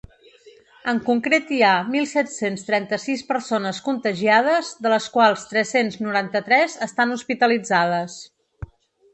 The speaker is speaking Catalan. En concret hi ha mil set-cents trenta-sis persones contagiades, de les quals tres-cents noranta-tres estan hospitalitzades.